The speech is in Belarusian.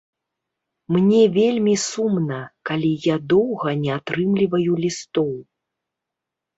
Мне вельмі сумна, калі я доўга не атрымліваю лістоў.